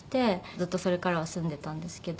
ずっとそれからは住んでたんですけど。